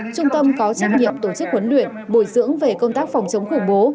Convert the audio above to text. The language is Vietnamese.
trung tâm có trách nhiệm tổ chức huấn luyện bồi dưỡng về công tác phòng chống khủng bố